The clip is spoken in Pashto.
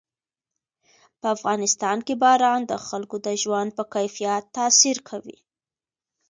په افغانستان کې باران د خلکو د ژوند په کیفیت تاثیر کوي.